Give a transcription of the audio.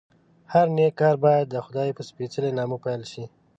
هر نېک کار باید دخدای په سپېڅلي نامه پیل شي.